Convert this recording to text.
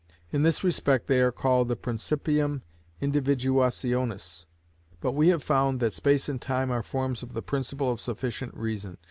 In this respect they are called the principium individuationis. But we have found that space and time are forms of the principle of sufficient reason.